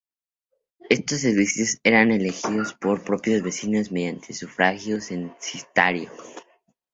Estos oficios eran elegidos por los propios vecinos mediante sufragio censitario.